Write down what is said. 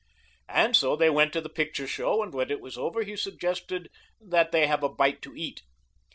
And so they went to the picture show, and when it was over he suggested that they have a bite to eat.